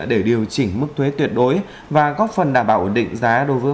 để điều chỉnh mức thuế tuyệt đối và góp phần đảm bảo ổn định giá đối với